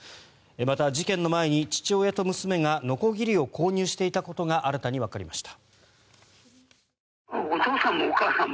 また、事件の前に父親と娘がのこぎりを購入していたことが新たにわかりました。